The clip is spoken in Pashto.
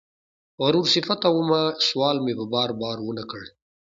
غرور صفته ومه سوال مې په بار، بار ونه کړ